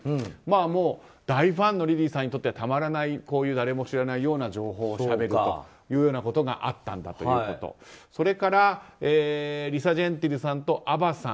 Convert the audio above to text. もう大ファンのリリーさんにとってはたまらない、誰も知らないような情報をしゃべるということがあったということそれからリサ・ジェンティルさんとアヴァさん。